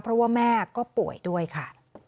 เพราะว่าแม่ก็ป่วยด้วยค่ะ